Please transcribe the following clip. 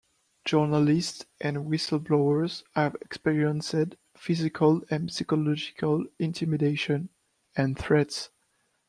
Journalists and whistleblowers have experienced physical and psychological intimidation and threats.